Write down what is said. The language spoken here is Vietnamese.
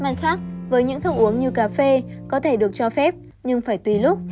mặt khác với những thức uống như cà phê có thể được cho phép nhưng phải tùy lúc